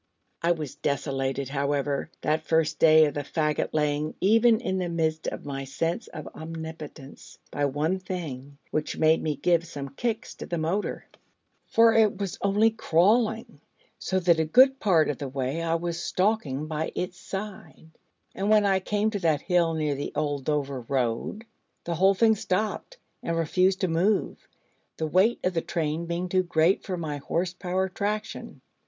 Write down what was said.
I was desolated, however, that first day of the faggot laying, even in the midst of my sense of omnipotence, by one thing, which made me give some kicks to the motor: for it was only crawling, so that a good part of the way I was stalking by its side; and when I came to that hill near the Old Dover Road, the whole thing stopped, and refused to move, the weight of the train being too great for my horse power traction.